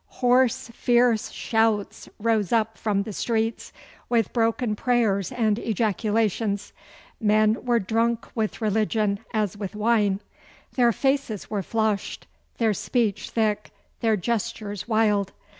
Hoarse, fierce shouts rose up from the streets, with broken prayers and ejaculations. Men were drunk with religion as with wine. Their faces were flushed, their speech thick, their gestures wild.